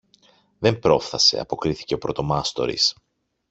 Δεν πρόφθασε, αποκρίθηκε ο πρωτομάστορης.